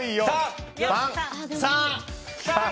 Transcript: ３！